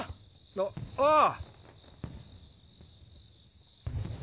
あああ。